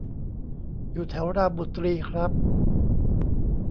อยู่แถวรามบุตรีครับ